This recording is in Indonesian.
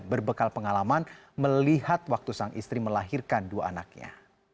berbekal pengalaman melihat waktu sang istri melahirkan dua anaknya